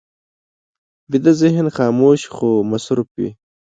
ویده ذهن خاموش خو مصروف وي